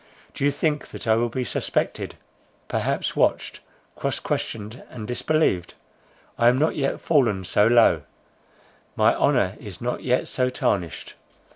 Do you think that I will be suspected, perhaps watched, cross questioned, and disbelieved? I am not yet fallen so low; my honour is not yet so tarnished.